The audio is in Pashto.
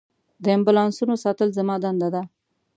د امبولانسونو ساتل زما دنده ده.